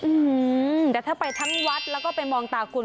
อืมแต่ถ้าไปทั้งวัดแล้วก็ไปมองตาคุณ